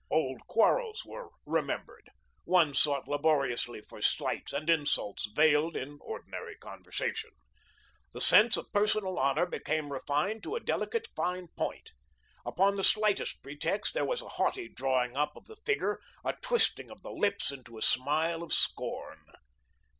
Old quarrels were remembered. One sought laboriously for slights and insults, veiled in ordinary conversation. The sense of personal honour became refined to a delicate, fine point. Upon the slightest pretext there was a haughty drawing up of the figure, a twisting of the lips into a smile of scorn.